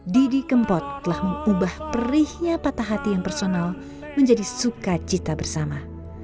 didi kempot telah mengubah perihnya patah hati yang personal menjadi sukacita bersama